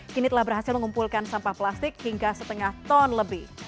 kini telah berhasil mengumpulkan sampah plastik hingga setengah ton lebih